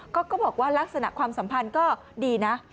ก็บอกว่าลักษณะความสัมพันธ์ก็ดีนะ